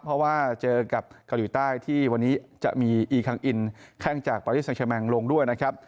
เพราะว่าเจอกับเกาหลีใต้ที่วันนี้จะมีอีคังอินแข้งจากปาริสังเชแมงลงด้วยนะครับ